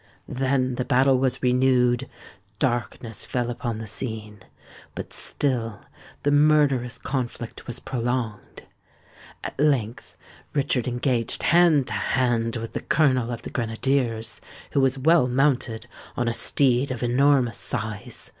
Then the battle was renewed: darkness fell upon the scene; but still the murderous conflict was prolonged. At length Richard engaged hand to hand with the colonel of the grenadiers, who was well mounted on a steed of enormous size.